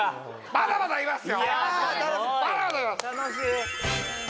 まだまだいます！